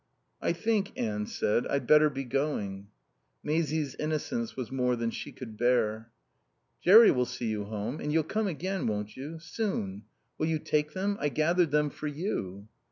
"I think," Anne said, "I'd better be going." Maisie's innocence was more than she could bear. "Jerry'll see you home. And you'll come again, won't you? Soon.... Will you take them? I gathered them for you."